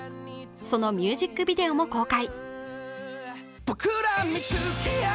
そのミュージックビデオも公開。